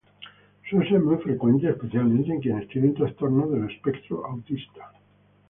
Suele ser muy frecuente especialmente en quienes tienen trastorno del espectro autista.